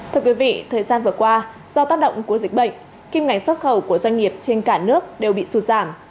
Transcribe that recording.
thưa quý vị thời gian vừa qua do tác động của dịch bệnh kim ngạch xuất khẩu của doanh nghiệp trên cả nước đều bị sụt giảm